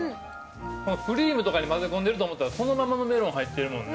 クリームとかに混ぜ込んでると思ったらそのままのメロン入ってるもんね。